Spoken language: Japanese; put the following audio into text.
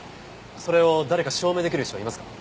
それを誰か証明出来る人はいますか？